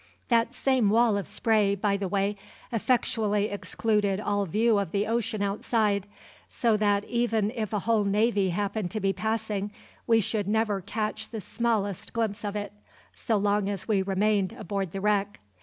That same wall of spray, by the way, effectually excluded all view of the ocean outside, so that even if a whole navy happened to be passing, we should never catch the smallest glimpse of it, so long as we remained aboard the wreck.